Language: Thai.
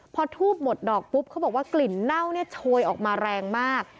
พอทูบหมดดอกปุ๊บเขาบอกว่ากลิ่นเน่าเนี่ยโชยออกมาแรงมาก